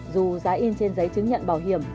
dù giá in trên giấy chứng nhận bảo hiểm